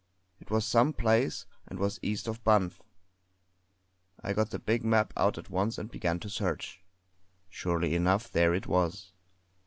It was some place, and was east of Banff. I got the big map out at once and began to search. Surely enough, there it was.